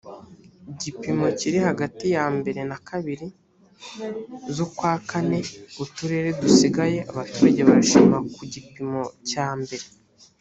gipimo kiri hagati ya mbere na kabiri zukwakane uturere dusigaye abaturage barashima ku gipimo cya mbere